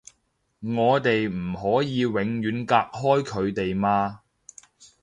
我哋唔可以永遠隔開佢哋嘛